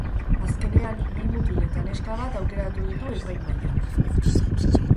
Azkenean, bi mutil eta neska bat aukeratu ditu epaimahaiak.